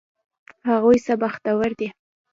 هغوی څه بختور دي!